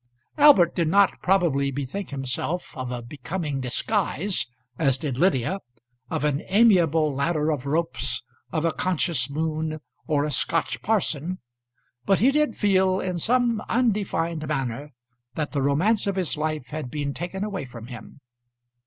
Albert did not probably bethink himself of a becoming disguise, as did Lydia, of an amiable ladder of ropes, of a conscious moon, or a Scotch parson; but he did feel, in some undefined manner, that the romance of his life had been taken away from him.